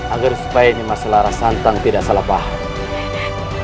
agar supaya nimas larasantang tidak salah paham